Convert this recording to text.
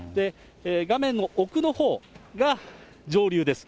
画面の奥のほうが上流です。